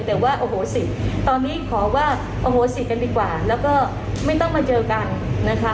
แต่ว่าโอ้โหสิทธิ์ตอนนี้ขอว่าอโหสิกันดีกว่าแล้วก็ไม่ต้องมาเจอกันนะคะ